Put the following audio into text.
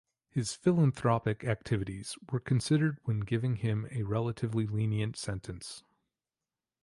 His philanthropic activities were considered when giving him a relatively lenient sentence.